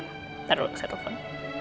nanti dulu saya telepon